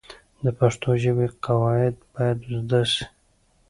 د پښتو ژبې قواعد باید زده سي.